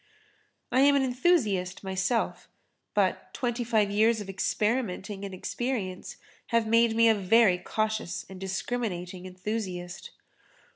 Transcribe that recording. I am an enthusiast myself, but twenty five years of experimenting and experience have made me a cautious and discriminating enthusiast.